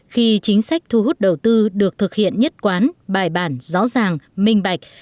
khi chính sách thu hút đầu tư được thực hiện nhất quán bài bản rõ ràng minh bạch